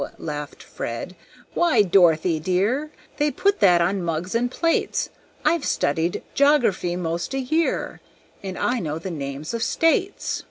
laughed Fred. "Why, Dorothy dear, They put that on mugs and plates: I've studied jography 'most a year, And I know the names of the States.